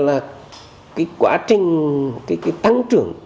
cái quá trình tăng trưởng tương đối tốt